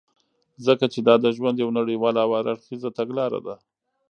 ځكه چې دادژوند يو نړيواله او هر اړخيزه تګلاره ده .